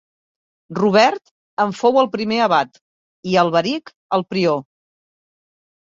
Robert en fou el primer abat, i Alberic el prior.